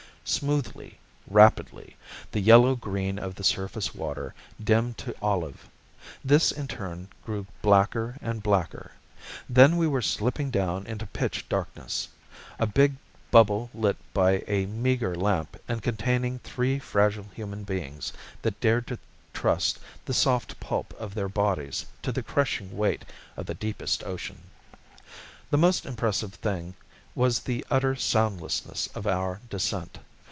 Smoothly, rapidly, the yellow green of the surface water dimmed to olive. This in turn grew blacker and blacker. Then we were slipping down into pitch darkness a big bubble lit by a meagre lamp and containing three fragile human beings that dared to trust the soft pulp of their bodies to the crushing weight of the deepest ocean. The most impressive thing was the utter soundlessness of our descent.